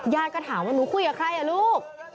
ก็ถามว่าหนูคุยกับใครอ่ะลูก